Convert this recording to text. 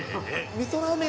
みそラーメン。